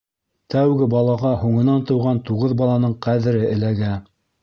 Тәүге балаға һуңынан тыуған туғыҙ баланың ҡәҙере эләгә.